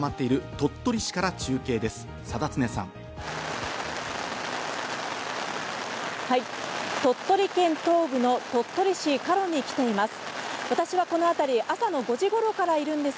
鳥取県東部の鳥取市賀露に来ています。